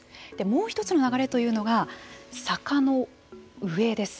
もう一つの流れというのが坂の上です。